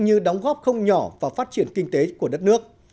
như đóng góp không nhỏ vào phát triển kinh tế của đất nước